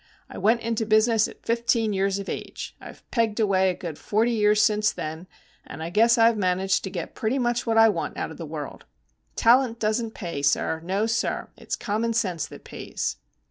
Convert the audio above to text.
I went into business at fifteen years of age. I've pegged away a good forty years since then, and I guess I've managed to get pretty much what I want out of the world. Talent don't pay, sir. No, sir; it's common sense that pays."